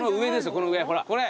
この上ほらこれ。